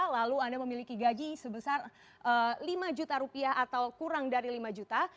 lalu anda memiliki gaji sebesar lima juta rupiah atau kurang dari lima juta